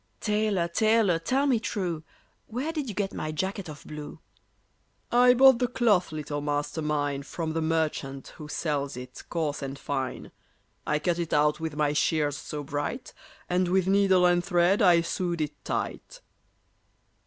"TAILOR, tailor, tell me true, Where did you get my jacket of blue?" "I bought the cloth, little Master mine, From the merchant who sells it, coarse and fine. I cut it out with my shears so bright, And with needle and thread I sewed it tight."